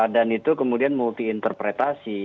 dan itu kemudian multi interpretasi